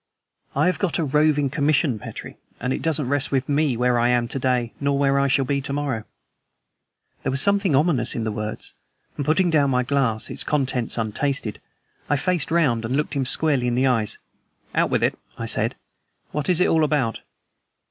"I have got a roving commission, Petrie, and it doesn't rest with me where I am to day nor where I shall be to morrow." There was something ominous in the words, and, putting down my glass, its contents untasted, I faced round and looked him squarely in the eyes. "Out with it!" I said. "What is it all about?"